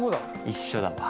一緒だわ。